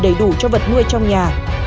đầy đủ cho vật nuôi trong nhà